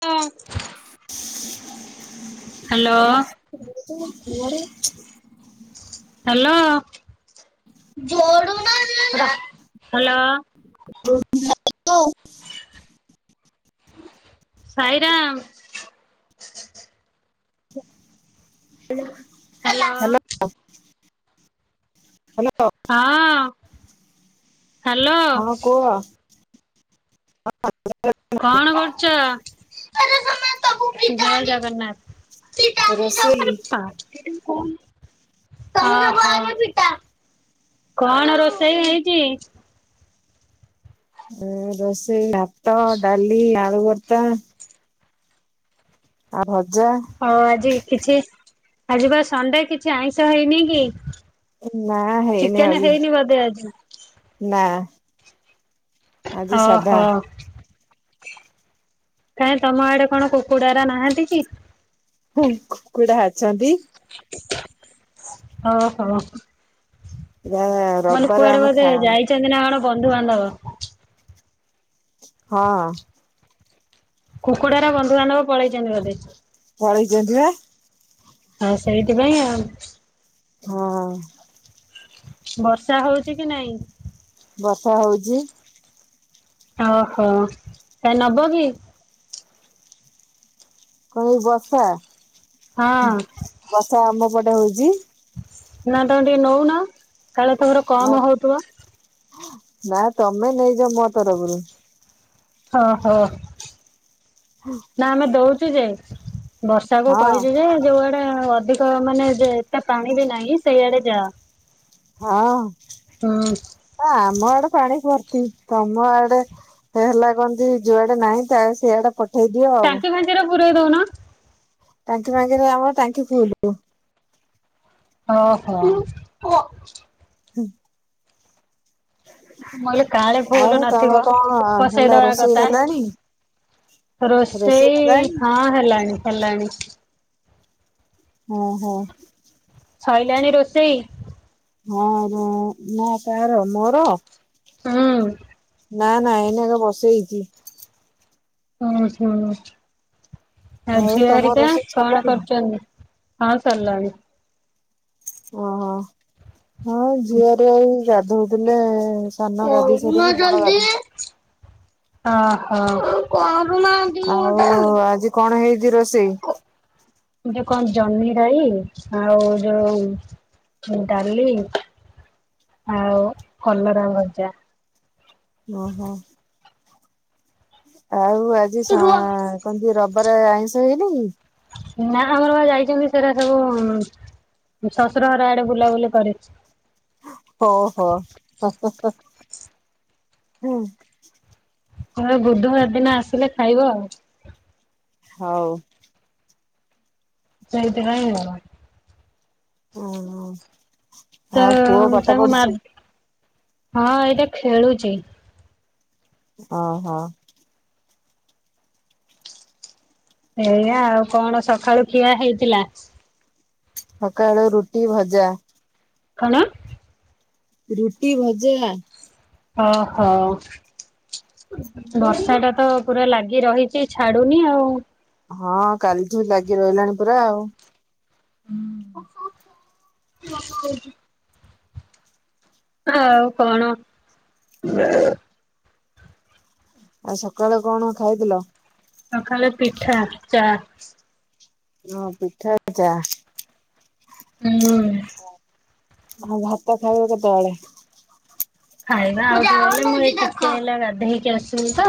ତ। ହେଲା [unintelligible] hello hello. [unintelligible] Sai Ram. Hello hello. Hello ହଁ ହ୍ୟାଲୋ ହଁ କୁହ। [unintelligible] କଣ କରୁଚ? ଜୟ ଜଗନ୍ନାଥ୍। ରୋଷେଇ। [unintelligible] ହ ହ। କଣ ରୋଷେଇ ହେଇଚି? ରୋଷେଇ ଭାତ ଡାଲି ଆଳୁ ଭର୍ତା ଆଉ ଭଜା। ହଁ ଆଜି କିଛି ଆଜି ବା ସଣ୍ଡେ କିଛି ଆଇଁଷ ହେଇନି କି? ନା ହେଇନି ଚିକେନ୍ ଆଜି ହେଇନି ବୋଧେ ଆଜି? ନା। ଆଜି ହ ସାଧା ହ। କାଇଁ ତମ ଆଡେ କଣ କୁକୁଡା ଏରା ନାହାନ୍ତି କି? ହୁଁ କୁକୁଡା ଅଛନ୍ତି। ହଁ ହଁ। [unintelligible] ମାନେ କୁଆଡେ ଆମେ ବୋଧେ ଖା ଯାଇଚନ୍ତି ନା କଣ ବନ୍ଧୁବାନ୍ଧବ? ହଁ। କୁକୁଡ଼ାର ବନ୍ଧୁବାନ୍ଧବ ପଳେଇଚନ୍ତି ବଧେ? ପଳେଇ ଚନ୍ତି ବା। ହଁ ସେଇଥିପାଇଁ ଆଉ। ହଁ ବର୍ଷା ହଉଚି କି ନାଇଁ? ବର୍ଷା ହଉଚି। ଓହୋ କାଇଁ ନବ କି? କୋଉ ବର୍ଷା? ହଁ। ବର୍ଷା ଆମ ପଟେ ହଉଚି। ନା ତମେ ଟିକେ ନଉନ କାଳେ ତମର ନା କମ୍ ହଉଥିବ। ନା ତମେ ନେଇଯାଅ ମୋ ତରଫରୁ। ହ ହୋ। ହଁ। ନା ଆମେ ଦଉଚୁ ଯେ ବର୍ଷା କୁ ହଁ କହିଚି ଯେ ଯୋଉଆଡେ ଅଧିକ ମାନେ ଏତେ ପାଣି ବି ନାଇଁ ସେଇଆଡେ ଯାଆ। ହଁ। ନା ଆମ ଆଡେ ପାଣି ଭର୍ତ୍ତି ତମ ଆଡେ ହେଲା କଁ କି ଜୁଆଡେ ନାହିଁ ତା ସେଇଆଡେ ପଠେଇ ଦିଅ ଆଉ। [unintelligible] ପୁରେଇ ଦଉନ। ଟାଙ୍କି ବାଙ୍କି ରେ ଆମ ଟାଙ୍କି ଫୁଲ୍। ହ ହୋ। ମୁଁ କଲି କାଳେ ଫୁଲ୍ ଆଉ ନଥିବ ତମ କଣ ହେଲା ପସେଇଦବା ରୋଷେଇ ହେଲାଣି? କଥା। ରୋଷେଇ ହଁ ହେଲାଣି ହେଲାଣି। ଅଁ ହ। ଶଇଲାଣି ରୋଷେଇ? ହଁ ର ନା କାର ମୋର? ହୁଁ। ନା ନା ଏଇନା ବା ବସେଇଚି। ଉଁ ହୁଁ ଆଉ ଝିଅ ତମ ହରିକା ରୋଷେଇ କଣ ସରିଲାଣି କରୁଚନ୍ତି? ହଁ ସରଲାଣି। ଓହୋ ହଁ ଝିଅ ହରିଆ ଏଇ ଗାଧଉଥୁଲେ। ଅହ। ଆଉ ଆଜି କଣ ହେଇଚି ରୋଷେଇ? ଗୋଟେ କଁ ଜହ୍ନି ରାଇ ଆଉ ଯୋଉ ଡାଲି। ଆଉ କଲରା ଭଜା। ଓହୋ। ଆଉ ଆଜି ସଁ କନ୍ତି ରବାରେ ଆଇଁଷ ହେଇନେଇ? ନାଁ ଆମର ବା ଯାଇଛନ୍ତି ସେରା ସବୁ ଉଁ ମୋ ଶଶୁର ଘର ଆଡେ ବୁଲାବୁଲି କରି। ହୋ ହୋ ହୁଁ। କଲେ ବୁଧବାର ଦିନ ଆସିଲେ ଖାଇବ ଆଉ। ହଉ। ସେଇଥିପାଇଁ ଅଆ ତ ଆଉ ପୁଅ ପାଠ ତାଙ୍କ ମା ପଢୁଛି ହଁ ଏଇଟା ଖେଳୁଚି। ଅହ। ଏଇଆ ଆଉ କଣ ସଖାଳୁ ଖିଆ ହେଇଥିଲା? ସକାଳୁ ରୁଟି ଭଜା। କଣ? ରୁଟି ଭଜା। ଅ ହ। ବର୍ଷାଟା ତ ପୁରା ଲାଗି ରହିଚି ଛାଡୁନି ଆଉ। ହଁ କାଲିଠୁ ଲାଗି ରହିଲାଣି ପୁରା ଆଉ। ଉଁ ଆଉ କଣ? ଆଉ ସକାଳେ କଣ ଖାଇଥିଲ? ସଖାଳେ ପିଠା ଚା। ର ପିଠା ଚା। ଉଁ। ଆଉ ଭାତ ଖାଇବ କେତଳେ? ଖାଇବା ଆଉ ଟିଏ ଗଲେ ମୁଁ ଏଇ ଟିକେ ହେଲା ଗାଧେଇକି ଆସିଲି ତ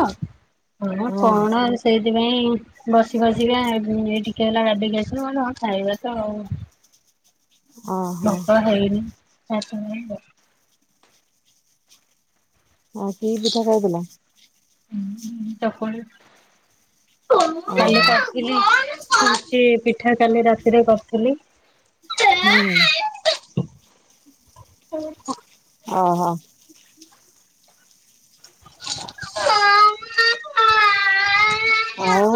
ହଁ କଣ ଏ ସେଇତିପାଇଁ ବସି ବସିକା ଏବେ ଏ ଟିକେ ହେଲା ଗାଧେଇକି ଆସିଲି ମୁଁ ଅଲି ହଁ ଖାଇବା ତ ଆଉ। ଓହୋ ନପା ହେଇନି। ହଁ କି ପିଠା ଖାଇଥିଲ? ଉଁ ହୁଁ ଚକୁଳି କାଲି ଓହୋ। କର ଥିଲି ହୋଉଚି ପିଠା କାଲି ରାତିରେ କରଥିଲି। ହୁଁ। ତମେ ଖ। ଅହ। [inaudible] ଆଉ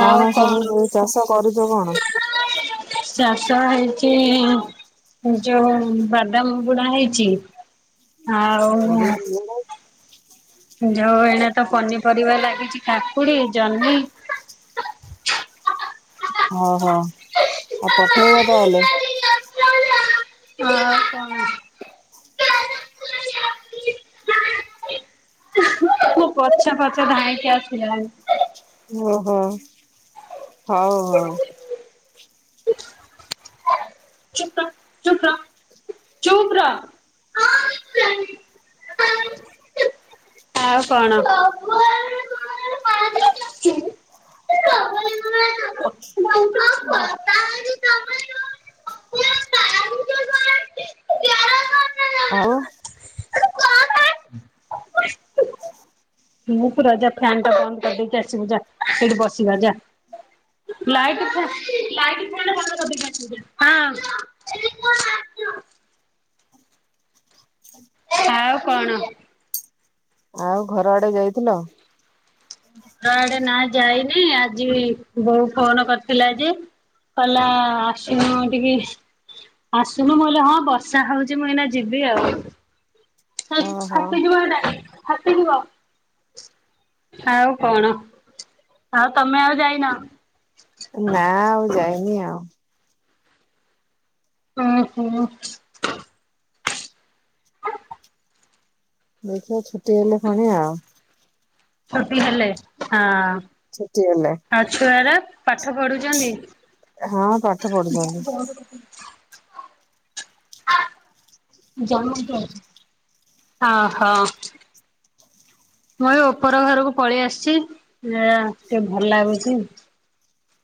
କଣ ସବୁ ଯୋଉ ଚାଷ କରୁଚ କଣ? ଚାଷ ହେଇଚି ଯୋଉ ବାଦାମ ଗୁଡା ହେଇଚି। ଉ ପଡ଼ିବୁ ତୁ। ଯଉ ଏଇନେତ ପନି ସରିଗଲା କିଛି କାକୁଡି ଜହ୍ନି ଓହୋ ଆଉ ପଠେଇବ ତାହେଲେ। ହଁ ହ। [unintelligible] [inaudible] ମୋ ପଛେ ପଛେ ଧାଇଁକି ଆସିଲାଣି। ଓହୋ ହଉ ହଉ। ଚ [inaudible] ଖ୍ର [inaudible] ଆଉ କଣ? [unintelligible] ଆଉ? ମୁଁ ପୁରା ଜା ଫ୍ୟାନଟା ବନ୍ଦ କରିଦେଇକି ଆସିବୁ ଯା ସେଇଠି ବସିବା ଯା। ଲାଇଟଫା ଲାଇଟ ହଁ। ଚୁ [unintelligible] ଆଉ କଣ? ଆଉ ଘର ଆଡେ ଯାଇଥିଲ? ଘରଆଡେ ନାଇଁ ଯାଇନି ଆଜି ବୋଉ ଫୋନ କରିଥିଲା ଯେ କଇଲା ଆସୁନଉ ଟିକେ ଆସୁନୁ ମୁଁ କହିଲି ହଁ ବର୍ଷା ହଉଛି ମୁଁ ଏଇନା ଯିବି ଆଉ। ସେ ଓହୋ ଫାଟି ଯିବ ହେଟା ଫାଟି ଯିବ। ଆଉ କଣ ଆଉ ତମେ ଆଉ ଯାଇନ? ନା ଆଉ ଯାଇନି ଆଉ। ହୁଁ ହୁଁ। ଦେଖିବା ଛୁଟି ହେଲେ ଫୁଣି ଆଉ। ଛୁଟି ହେଲେ ହଁ। ଛୁଟି ହେଲେ। ଆଉ ଛୁଆରା ପାଠ ପଢୁଛନ୍ତି? ହଁ ପାଠ ପଢୁଛନ୍ତି। ହ ଜାଅଁ ଟିକେ ଅ ହ। ମୁଁ ଏ ଉପର ଘରକୁ ପଳେଇ ଆସିଛି ଏ ଟିକେ ଭଲ ଲାଗୁଛି।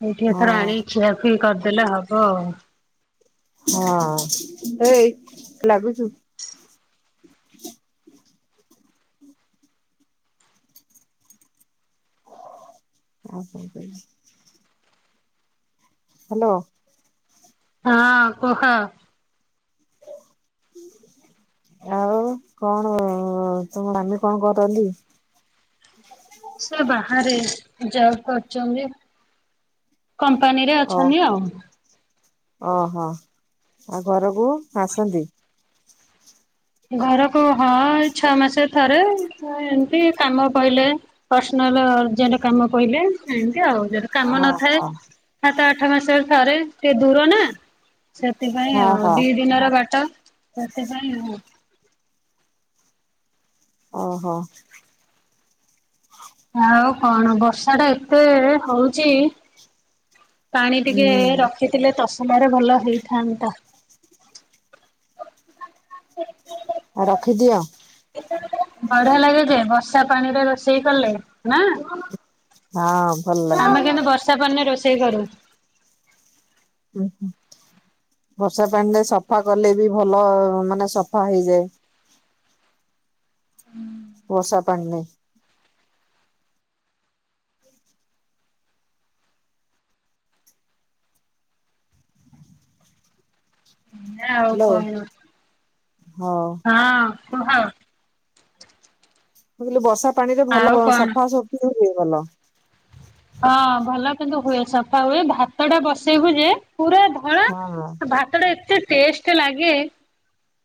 ଏଇଠି ଏଥର ହଁ ଆଣିକି ଖିଆଖୁଇ କରିଦେଲେ ହବ ଆଉ। ହଁ ଏ ଏଇ ଲାଗୁଛୁ। ହ [inaudible] ହ୍ୟାଲୋ। ହଁ କୁହ? [inaudible] ଆଉ କଣ ତୁମ ମାମି କଣ କରନ୍ତି? ସେ ବାହାରେ ଜବ କରୁଛନ୍ତି। କମ୍ପାନୀରେ ଓ ଅଛନ୍ତି ଆଉ। ଓହୋ ଆଉ ଘରକୁ ଆସନ୍ତି? ଘରକୁ ହଁଏଇ ଛଅ ମାସ ଥରେ ଏମିତି କାମ ପଇଲେ। ପର୍ସନାଲ ଅର୍ଜେଣ୍ଟ କାମ ପଇଲେ ହିନ୍ତି ଆଉ। କାମ ନଥାଏ ଓହୋ ସାତ ଆଠ ମାସରେ ଥରେ ସେ ଦୂର ନା। ସେଥିପାଇଁ ହଁ ଆଉ ହଁ। ଦିଇ ଦିନର ବାଟ ସେଥିପାଇଁ ହଁ। ଓହୋ। ଆଉ କଣ ବର୍ଷାଟା ଏତେ ହଉଚି। ପାଣି ଟିକେ ହୁଁ ରଖିଥିଲେ ତସଲାରେ ଭଲ ହେଇଥାନ୍ତା। ରଖିଦିଅ। ବଢିଆ ଲାଗେ ଯେ ବର୍ଷା ପାଣିରେ ରୋଷେଇ କଲେ ନା। ହଁ ଭଲ ଲାଗେ। ଆମେ କିନ୍ତୁ ବର୍ଷା ପାଣିରେ ରୋଷେଇ କରୁ। ଉଁ ହୁଁ ବର୍ଷା ପାଣିରେ ସଫା କଲେ ବି ଭଲ ମାନେ ସଫା ହେଇଯାଏ ବର୍ଷା ପାଣିରେ। ନାଁ ଆଉ ହ୍ୟାଲୋ କଣ। ହଁ ମୁଁ ହଁ କୁହ। ମୁଁ କହିଲି ବର୍ଷା ପାଣିରେ ଭଲ ଆଉ ବ କଣ? ସଫା ସଫି ହୁଏ ଭଲ। ହଁ ଭଲ କିନ୍ତୁ ହୁଏ ସଫା ହୁଏ ଭାତଟା ବସେଇବୁ ଯେ ପୁରା ଧଳା। ହଁ। ଭାତଟା ଏତେ ଟେଷ୍ଟ ଲାଗେ।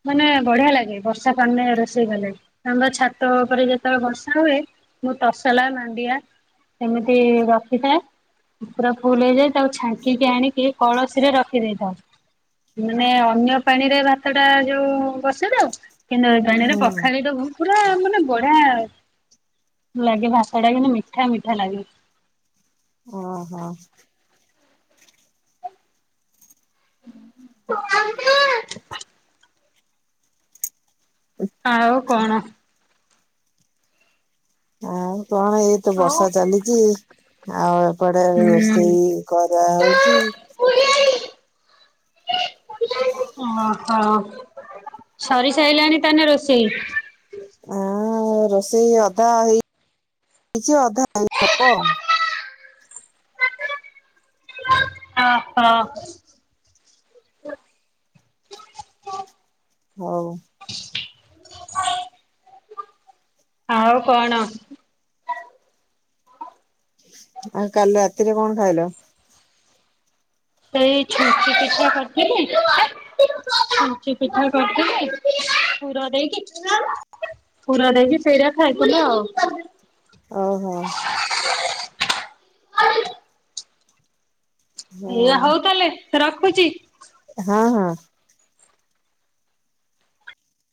ମାନେ ବଢିଆ ଲାଗେ ବର୍ଷା ପାଣିରେ ରୋଷେଇ କଲେ। ଆମେପା ଛାତ ଉପରେ ଯେତେବେଳେ ବର୍ଷା ହୁଏ। ମୁଁ ତସଲା ମାଣ୍ଡିଆ ଏମିତି ରଖିଥାଏ। ପୁରା ଫୁଲ ହେଇଯାଏ ତାକୁ ଛାଙ୍କିକି ଆଣିକି କଳସୀରେ ରଖିଦେଇଥାଉ। ମାନେ ଅନ୍ୟ ପାଣିରେ ଭାତଟା ଯୋଉ ବସେଇ ଦୋବୁ କିନ୍ତୁ ଏ ପାଣିରେ ହୁଁ ପଖାଳି ଦୋବୁ। ପୁରା ମାନେ ବଢିଆ ଲାଗେ ଭାତଟା କିନ୍ତୁ ମିଠା ମିଠା ଲାଗେ। ଓହୋ। ମାମା। ଆଉ କଣ। ଆଉ କଣ ଏଇତ ବର୍ଷା ଚାଲିଚି। ଆଉ ଏପଟେ ହୁଁ। ରୋଷେଇ କରାହଉଚି। [unintelligible] ଓହୋ ସରିସାଇଲାଣି ତାହେନେ ରୋଷେଇ। ଆଉ ରୋଷେଇ ଅଧା ହେଇ ଚି ଅଧା ହେଇନି ହବ। ଅହ। ହୋଉ। ଆଉ କଣ? ଆଉ କାଲି ରାତିରେ କଣ ଖାଇଲ? ଏଇ ଛୁଞ୍ଚି ପିଠା କରିଥିଲି। ହେ ଛୁଞ୍ଚି ପିଠା କରିଥିଲେ ପୁର ଦେଇକି। ପୁର ଦେଇକି ସେଇରା ଖାଇଥିଲ ଆଉ। ଓହୋ। ଏଇଆ ହୋଉ ତାହେଲେ ରଖୁଚି। ହଁ ହଁ।